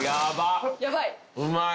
うまい！